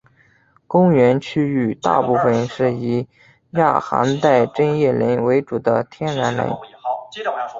公园区域大部分是以亚寒带针叶林为主的天然林。